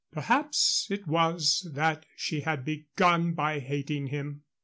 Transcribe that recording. Perhaps it was that she had begun by hating him.